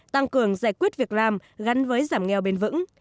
tăng cường giải quyết việc làm gắn với giảm nghèo bền vững